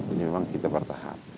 ini memang kita pertahankan